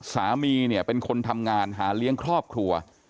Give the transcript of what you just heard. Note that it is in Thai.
สามีเนี่ยเป็นคนทำงานหาเลี้ยงครอบครัว